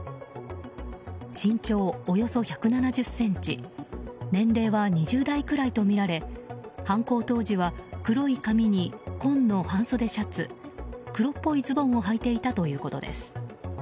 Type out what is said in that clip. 身長およそ１７０ｃｍ年齢は２０代くらいとみられ犯行当時は黒い髪に紺の半袖シャツ黒っぽいズボンをはいていたということです。